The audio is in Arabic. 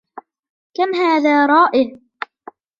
كم هذا رائع!.